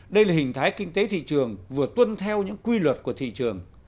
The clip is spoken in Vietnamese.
đây là hình thái kinh tế thị trường vừa tuân theo những quy luật của thị trường